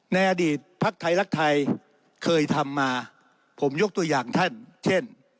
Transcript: ในอดีตภักดิ์ไทยรักไทยเคยทำมาผมยกตัวอย่างท่านเช่น